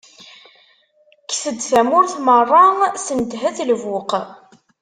Kket-d tamurt meṛṛa, sendeht lbuq.